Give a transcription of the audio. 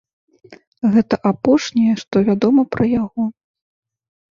Гэта апошняе, што вядома пра яго.